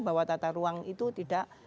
bahwa tata ruang itu tidak